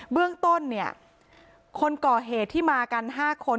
เบื้องต้นเนี่ยคนก่อเหตุที่มากัน๕คน